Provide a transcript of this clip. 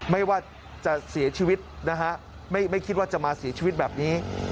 ไม่ว่าจะเสียชีวิตนะฮะไม่คิดว่าจะมาเสียชีวิตแบบนี้